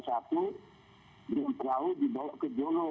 diperlalu dibawa ke jolo